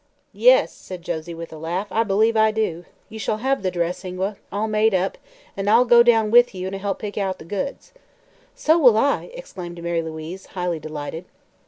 "Yes," said Josie with a laugh, "I believe I do. You shall have the dress, Ingua all made up and I'll go down with you and help pick out the goods." "So will I!" exclaimed Mary Louise, highly delighted.